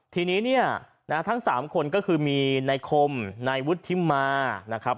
ทีนี้เนี่ยนะฮะทั้ง๓คนก็คือมีนายคมนายวุฒิมานะครับ